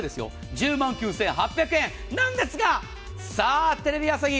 １０万９８００円なんですがテレビ朝日